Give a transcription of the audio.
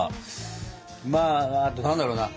まああと何だろうな。